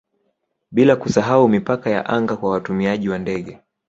bila kusahau mipaka ya anga kwa watumiaji wa ndege